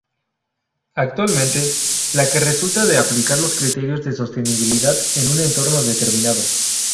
Actualmente, la que resulta de aplicar los criterios de sostenibilidad en un entorno determinado.